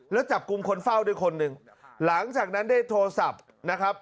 แล้วจับกลุ่มคนเฝ้าด้วยคนหนึ่งหลังจากนั้นได้โทรศัพท์นะครับ